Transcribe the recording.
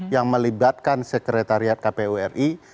yang melibatkan sekretariat kpu ri